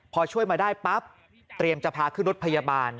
พอช่วยมาได้ปั๊บเตรียมจะพาขึ้นรถพยาบาล